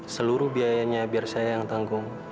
seluruh biayanya biar saya yang tanggung